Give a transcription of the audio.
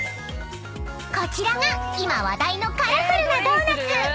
［こちらが今話題のカラフルなドーナツ］